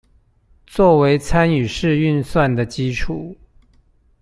作為參與式預算的基礎